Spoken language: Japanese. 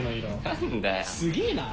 すげぇな。